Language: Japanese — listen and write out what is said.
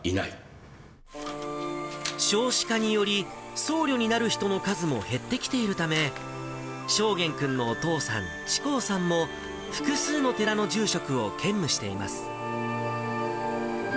少子化により、僧侶になる人の数も減ってきているため、昇彦君のお父さん、智孝さんも複数の寺の住職を兼務しています。